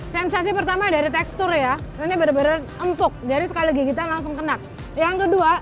sensasi pertama dari tekstur ya ini bener bener empuk jadi sekali gigitan langsung kena yang kedua